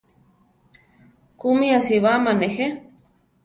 ¿Kúmi asibáma nejé?